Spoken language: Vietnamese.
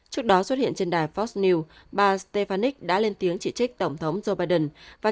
trước đó xuất hiện trên đài fos news bà stéphanik đã lên tiếng chỉ trích tổng thống joe biden và